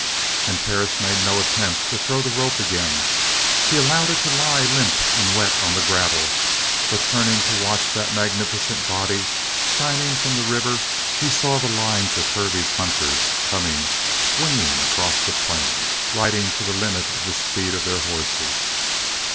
And Perris made no attempt to throw the rope again. He allowed it to lie limp and wet on the gravel, but turning to watch that magnificent body, shining from the river, he saw the lines of Hervey's hunters coming swinging across the plain, riding to the limit of the speed of their horses.